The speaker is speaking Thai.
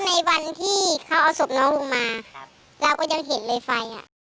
ในวันที่เขาเอาศพน้องลงมาเราก็ยังเห็นเลยไฟอ่ะ